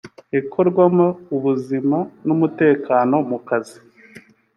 ikorwamo ubuzima n umutekano mu kazi